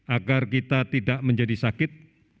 agar kita tidak menjadi sakit